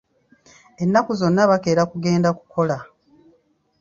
Ennaku zonna bakeera kugenda kukola.